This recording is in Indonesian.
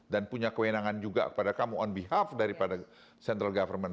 dan punya kewenangan juga pada kamu on behalf daripada central government